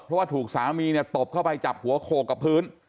เพราะว่าถูกสามีเนี่ยตบเข้าไปจับหัวโขกกับพื้น